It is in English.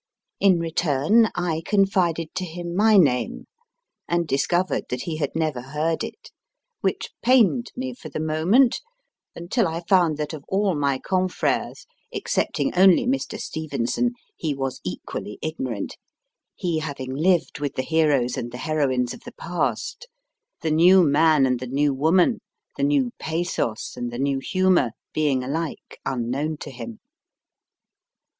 In return I confided to him my name, and discovered that he had never heard it, which pained me for the moment, until I found that of all my confreres, excepting only Mr. Stevenson, he was equally ignorant, he having lived with the heroes and the heroines of the past, the new man and the new woman, the new pathos and the new humour being alike unknown to him.